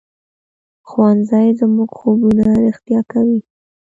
ښوونځی زموږ خوبونه رښتیا کوي